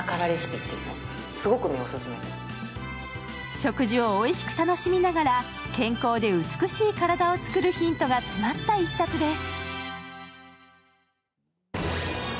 食事をおいしく楽しみながら、健康で美しい体を作るヒントが詰まった一冊です。